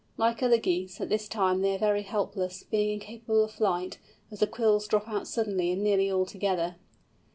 Like other Geese, at this time they are very helpless, being incapable of flight, as the quills drop out suddenly, and nearly all together.